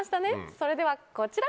それではこちら。